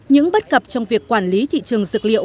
những bất cập trong việc quản lý thị trường dược liệu